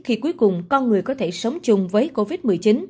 khi cuối cùng con người có thể sống chung với covid một mươi chín